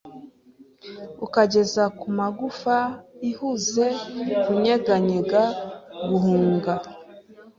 ukageza ku magufa Ihuze kunyeganyega guhunga